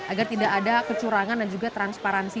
agar tidak ada kecurangan dan juga transparansi